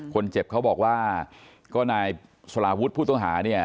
คนเจ็บเขาบอกว่าก็นายสลาวุฒิผู้ต้องหาเนี่ย